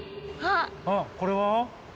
あっこれは？